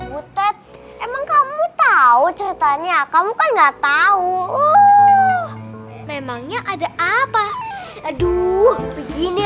butet emang kamu tahu ceritanya kamu kan nggak tahu memangnya ada apa aduh begini